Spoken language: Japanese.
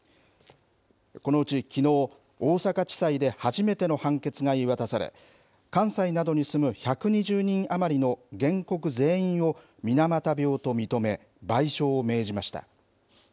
このうち、きのう大阪地裁で初めての判決が言い渡され関西などに住む１２０人余りの原告全員を水俣病と認め賠償を命じました。